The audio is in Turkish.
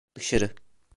Dışarı.